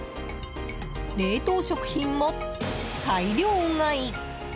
冷凍食品も大量買い。